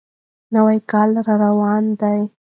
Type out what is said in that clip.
نوی کال را روان دی.